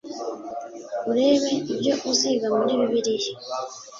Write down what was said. urebe ibyo uziga muri Bibiliya